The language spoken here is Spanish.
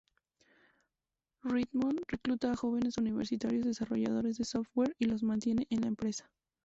Redmond recluta a jóvenes universitarios desarrolladores de software y los mantiene en la empresa.